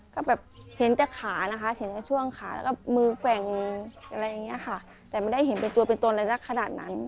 ก็เห็นแต่ขาไม่ได้เห็นเป็นตัวเป็นตนอะไรซะขนาดนั้น